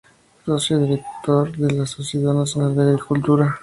Socio y director de la sociedad nacional de agricultura.